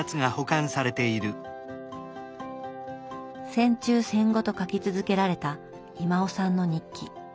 戦中戦後と書き続けられた威馬雄さんの日記。